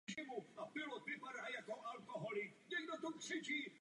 Opravu si vyžaduje především strop a střešní krytina na celé budově.